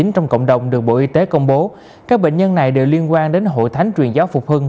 trong cộng đồng được bộ y tế công bố các bệnh nhân này đều liên quan đến hội thánh truyền giáo phục hưng